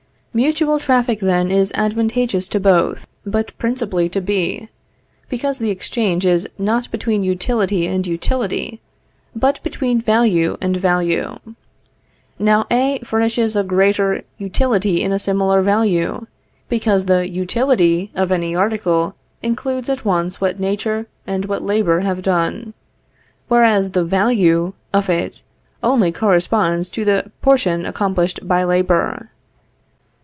Mutual traffic then is advantageous to both, but principally to B, because the exchange is not between utility and utility, but between value and value. Now A furnishes a greater utility in a similar value, because the utility of any article includes at once what Nature and what labor have done; whereas the value of it only corresponds to the portion accomplished by labor.